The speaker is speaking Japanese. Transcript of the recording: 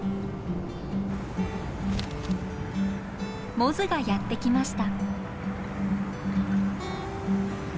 モズがやって来ました。